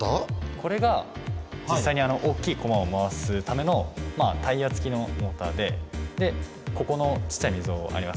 これが実際に大きいコマを回すためのタイヤつきのモーターでここのちっちゃい溝ありますよね。